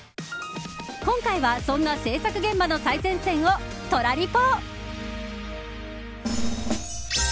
今回は、そんな制作現場の最前線をトラリポ。